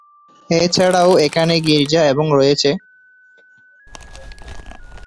এছাড়াও এখানে গির্জা এবং রয়েছে।